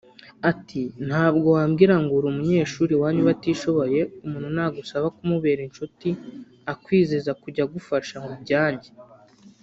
Ati “Ntabwo wambwira ngo uri umunyeshuri iwanyu batishoboye umuntu nagusaba kumubera inshuti akwizeza kujya agufasha ngo ubyanjye